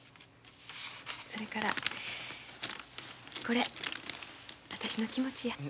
それからこれ私の気持ちや。